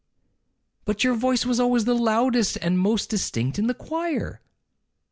'But your voice was always the loudest and most distinct in the choir.'